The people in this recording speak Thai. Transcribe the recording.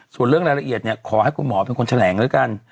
ส่วนเรื่องรายละเอียดเนี่ยขอให้คุณหมอเป็นคนแถลงด้วยกัน